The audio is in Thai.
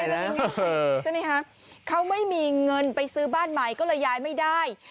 ใช่ไหมคะเขาไม่มีเงินไปซื้อบ้านใหม่ก็เลยย้ายไม่ได้